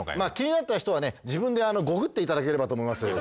気になった人は自分でゴグっていただければと思います。